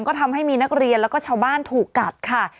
ก็ทำให้มีนักเรียนแล้วก็ชาวบ้านถูกกัดค่ะ